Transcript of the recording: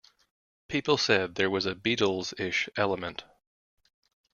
People said there was a Beatles-ish element.